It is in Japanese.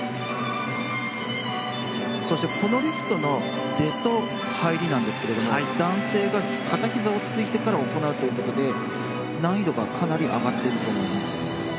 そしてこのリフトの出と入りなんですけれども男性が片ひざをついてから行うという事で難易度がかなり上がっていると思います。